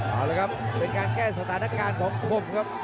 เอาละครับเป็นการแก้สถานการณ์ของคมครับ